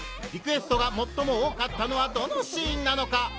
リクエストが最も多かったのはどのシーンなのか！？